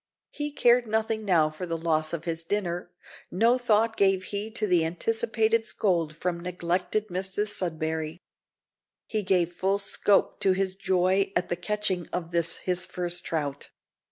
He cared nothing now for the loss of his dinner; no thought gave he to the anticipated scold from neglected Mrs Sudberry. He gave full scope to his joy at the catching of this, his first trout.